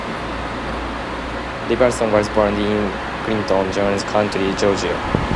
Iverson was born in Clinton, Jones County, Georgia.